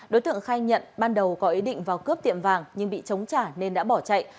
đối tượng khai nhận ban đầu có ý định vào cướp tiệm vàng nhưng bị chống trả nên đã bỏ chạy